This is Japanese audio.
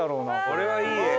これはいい画。